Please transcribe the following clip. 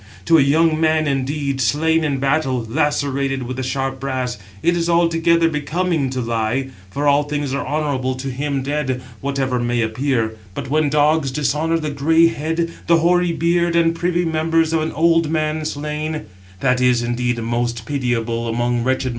To a young man, indeed, slain in battle, lacerated with the sharp brass, it is altogether becoming to lie, for all things are honourable to him dead, whatever may appear; but when dogs dishonour the grey head, the hoary beard, and privy members of an old man slain, that is indeed most pitiable among wretched mortals."